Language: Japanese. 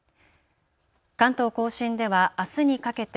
関東甲信ではあすにかけて